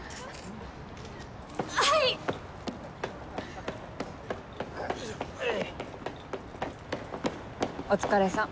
はい。